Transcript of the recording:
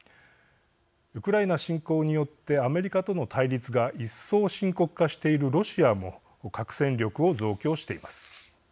ウクライナ侵攻によってアメリカとの対立がいっそう深刻化しているロシアも核戦力を増強しています。